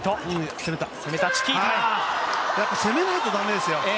やっぱり攻めないと駄目ですよ。